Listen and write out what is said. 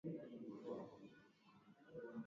wanajumuishwa wafanyabiashara wa huduma za kibenki